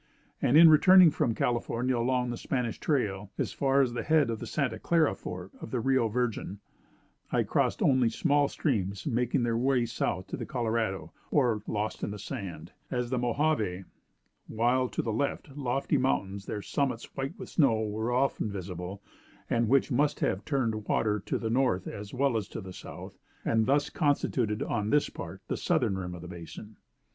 And in returning from California along the Spanish trail, as far as the head of the Santa Clara Fork of the Rio Virgen, I crossed only small streams making their way south to the Colorado, or lost in sand as the Mo hah ve; while to the left, lofty mountains, their summits white with snow, were often visible, and which must have turned water to the north as well as to the south, and thus constituted, on this part, the southern rim of the Basin.